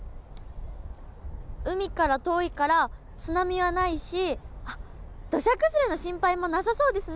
海から遠いから津波はないし土砂崩れの心配もなさそうですね。